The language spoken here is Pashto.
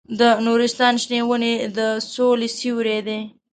د نورستان شنې ونې د سولې سیوري دي.